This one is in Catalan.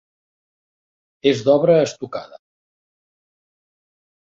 És d'obra estucada.